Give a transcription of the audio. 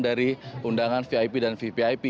dari undangan vip dan vvip